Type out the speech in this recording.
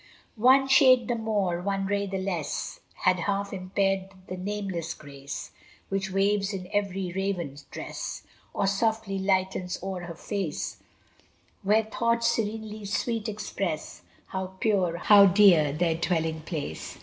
One shade the more, one ray the less, Had half impaired the nameless grace Which waves in every raven tress, Or softly lightens o'er her face; Where thoughts serenely sweet express How pure, how dear, their dwelling place.